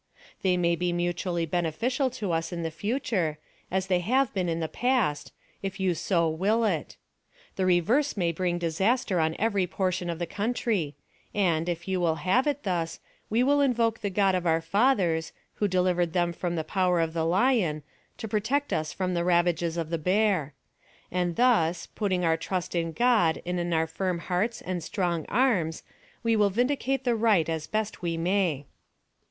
They may be mutually beneficial to us in the future, as they have been in the past, if you so will it. The reverse may bring disaster on every portion of the country, and, if you will have it thus, we will invoke the God of our fathers, who delivered them from the power of the lion, to protect us from the ravages of the bear; and thus, putting our trust in God and in our firm hearts and strong arms, we will vindicate the right as best we may.